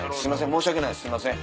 申し訳ないですすいません。